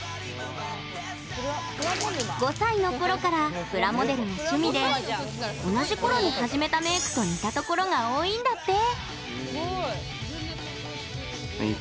５歳のころからプラモデルが趣味で同じころに始めたメークと似たところが多いんだって。